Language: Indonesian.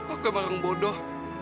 aku emang yang bodoh